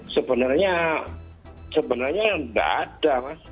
sebenarnya tidak ada mas